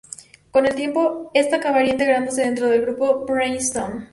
Con el tiempo esta acabaría integrándose dentro del grupo Bridgestone.